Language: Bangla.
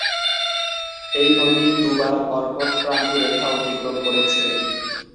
এই নদী দুবার কর্কটক্রান্তি রেখা অতিক্রম করেছে।